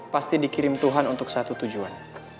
pasti dikirim tuhan untuk satu tujuan